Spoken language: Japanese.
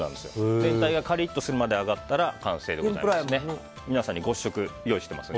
全体がカリッとするまで揚げたら完成でございますね。